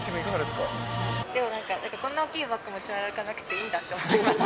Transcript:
でもなんか、こんな大きいバッグ持ち歩かなくていいんだって思いました。